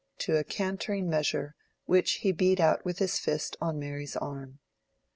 to a cantering measure, which he beat out with his fist on Mary's arm.